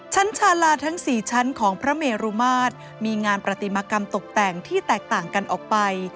ชาลาทั้ง๔ชั้นของพระเมรุมาตรมีงานปฏิมากรรมตกแต่งที่แตกต่างกันออกไป